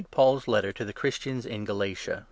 PAUL'S LETTER TO THE CHRISTIANS IN GALATIA.